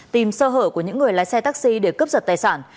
tìm sơ hở của những người lái xe taxi để cướp giật tài sản